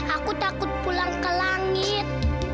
aku takut pulang ke langit